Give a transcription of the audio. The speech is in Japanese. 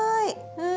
うん。